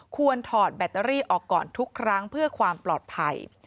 ถอดแบตเตอรี่ออกก่อนทุกครั้งเพื่อความปลอดภัย